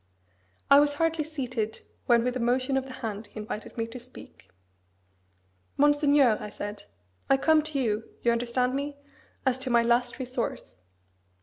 I was hardly seated, when with a motion of the hand he invited me to speak. "Monseigneur!" I said, "I come to you (you understand me?) as to my last resource.